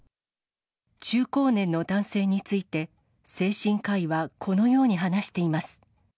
中高年の男性について、精神科医はこのように話しています。